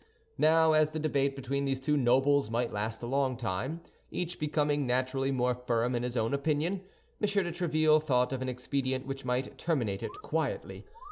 Now, as the debate between these two nobles might last a long time, each becoming, naturally, more firm in his own opinion, M. de Tréville thought of an expedient which might terminate it quietly.